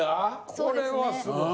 これはすごい。